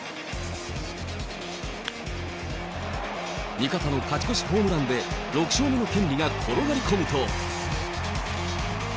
味方の勝ち越しホームランで６勝目の権利が転がり込むと。